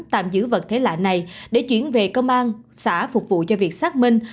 tạm giữ vật thể lạ này để chuyển về công an xã phục vụ cho việc xác minh